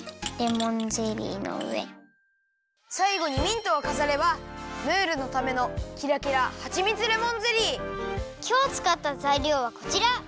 さいごにミントをかざればムールのためのきょうつかったざいりょうはこちら！